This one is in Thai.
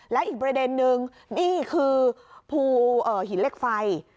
และอีกประเด็นนึงนี่คือภูหินเหล็กไฟ